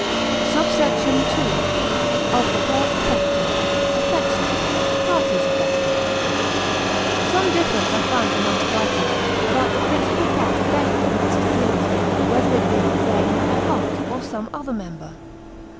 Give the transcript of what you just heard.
SUBSECT. II.—Of the part affected. Affection. Parties affected. Some difference I find amongst writers, about the principal part affected in this disease, whether it be the brain, or heart, or some other member.